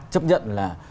chấp nhận là